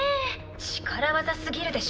力技すぎるでしょ。